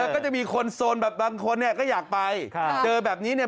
ก็จะมีคนโซนแบบบางคนเนี่ยก็อยากไปเจอแบบนี้เนี่ย